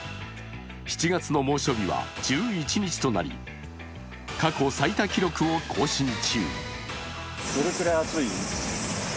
７月の猛暑日は１１日となり過去最多記録を更新中。